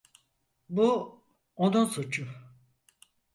Bu onun suçu.